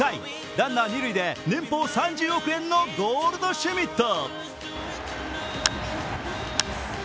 ランナー、二塁で年俸３０億円のゴールドシュミット。